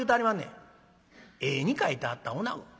「絵に描いてあったおなご？